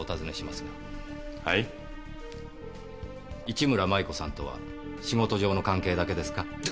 市村麻衣子さんとは仕事上の関係だけですか？